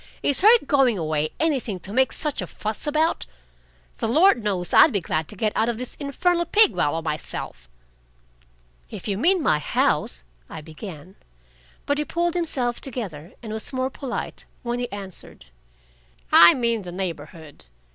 "Is her going away anything to make such a fuss about? The Lord knows I'd be glad to get out of this infernal pig wallow myself." "If you mean my house " I began. But he had pulled himself together and was more polite when he answered. "I mean the neighborhood.